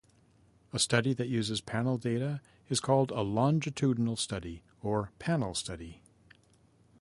A study that uses panel data is called a longitudinal study or panel study.